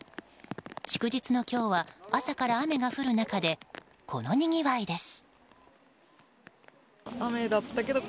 祝日の今日は朝から雨が降る中でこのにぎわいです。